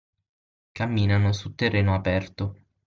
Camminano su terreno aperto